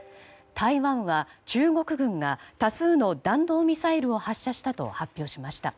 台湾は中国軍が多数の弾道ミサイルを発射したと発表しました。